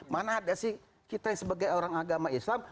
mana ada sih kita sebagai orang agama islam